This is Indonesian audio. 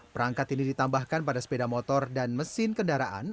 perangkat ini ditambahkan pada sepeda motor dan mesin kendaraan